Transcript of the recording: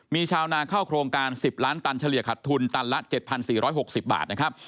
มีชาวนาเข้าโครงการ๑๐ล้านตันเฉลี่ยขัดทุนตันละ๗๔๖๐บาทนะครับ